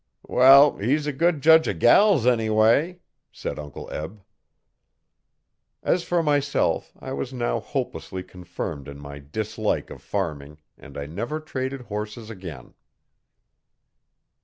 'Wall he's a good jedge o' gals anyway,' said Uncle Eb. As for myself I was now hopelessly confirmed in my dislike of farming and I never traded horses again.